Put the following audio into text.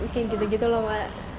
mungkin gitu gitu loh pak